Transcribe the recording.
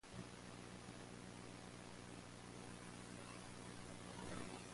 He had lived in a backwater all his life.